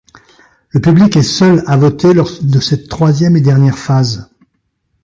Le public est seul à voter lors de cette troisième et dernière phase.